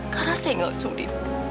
karena saya gak sudi